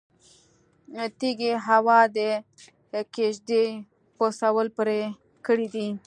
تيزې هوا د کيږدۍ پسول پرې کړی دی